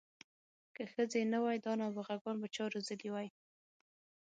که ښځې نه وای دا نابغه ګان به چا روزلي وی.